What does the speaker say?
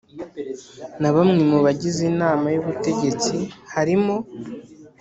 Na bamwe mu bagize inama y ubutegetsi harimo